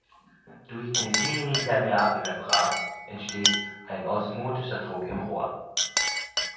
Durch die semipermeable Membran entsteht ein osmotischer Druck im Rohr.